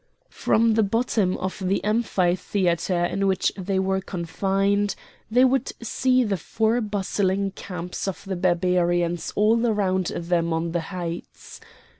From the bottom of the ampitheatre in which they were confined they could see the four bustling camps of the Barbarians all around them on the heights.